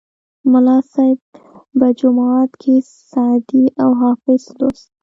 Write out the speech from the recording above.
ملا صیب به جومات کې سعدي او حافظ لوست.